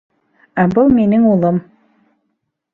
Ә был минең улым